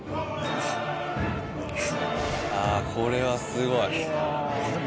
あこれはすごい。